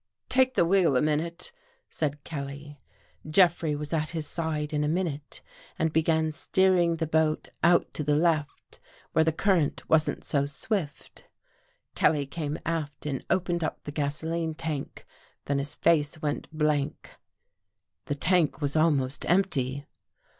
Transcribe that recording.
"Take the wheel a minute," said Kelly. Jeffrey was at his side in a minute and began steering the boat out to the left where the current W'asn't so swift. Kelly came aft and opened up the gasoline tank, then his face went blank. The tank was almost empty.